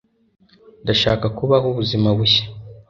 ndashaka kubaho ubuzima bushya